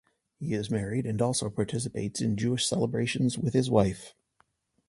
He is married and also participates in Jewish celebrations with his wife.